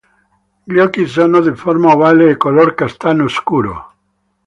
Gli occhi sono di forma ovale e color castano scuro.